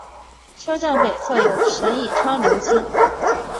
车站北侧有神崎川流经。